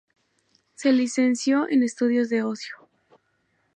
Se licenció en estudios de ocio.